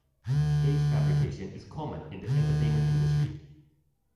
Age fabrication is common in the entertainment industry.